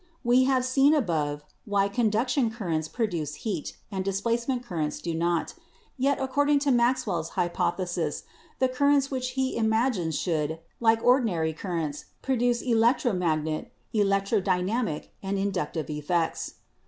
We have seen above why conduction currents pro duce heat and displacement currents do not. Yet, accord ing to Maxwell's hypothesis, the currents which he im agines should, like ordinary currents, produce electromag netic, electrodynamic, and inductive effects.